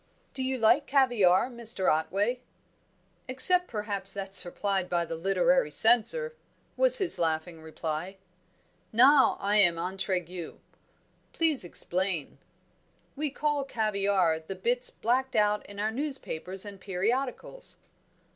"Do you like caviare, Mr. Otway?" "Except perhaps that supplied by the literary censor," was his laughing reply. "Now I am intriguee. Please explain." "We call caviare the bits blacked out in our newspapers and periodicals."